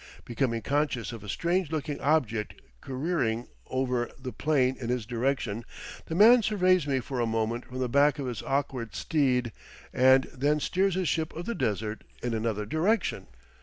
Becoming conscious of a strange looking object careering over the plain in his direction, the man surveys me for a moment from the back of his awkward steed and then steers his ship of the desert in another direction.